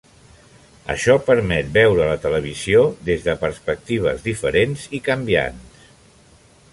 Això permet veure la televisió des de perspectives diferents i canviants.